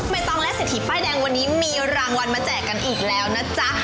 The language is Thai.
ต้องและเศรษฐีป้ายแดงวันนี้มีรางวัลมาแจกกันอีกแล้วนะจ๊ะ